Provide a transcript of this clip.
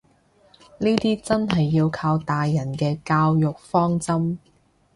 呢啲真係要靠大人嘅教育方針